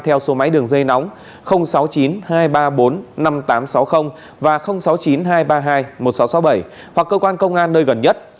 theo số máy đường dây nóng sáu mươi chín hai trăm ba mươi bốn năm nghìn tám trăm sáu mươi và sáu mươi chín hai trăm ba mươi hai một nghìn sáu trăm sáu mươi bảy hoặc cơ quan công an nơi gần nhất